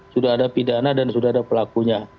sudah ada pidana dan sudah ada pelakunya